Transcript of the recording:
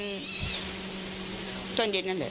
ตอนเย็นนั่นแหละ